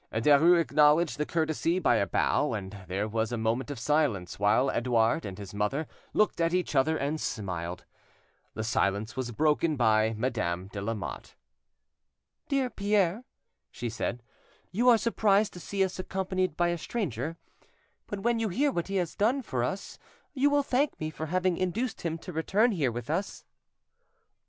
Derues acknowledged the courtesy by a bow, and there was a moment of silence, while Edouard and his mother looked at each other and smiled. The silence was broken by Madame de Lamotte. "Dear Pierre," she said, "you are surprised to see us accompanied by a stranger, but when you hear what he has done for us you will thank me for having induced him to return here with us."